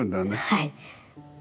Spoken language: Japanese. はい。